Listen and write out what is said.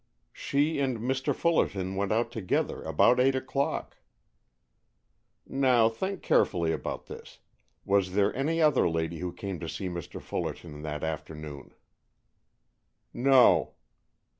"She and Mr. Fullerton went out together about eight o'clock." "Now think carefully about this. Was there any other lady who came to see Mr. Fullerton that afternoon?" "No."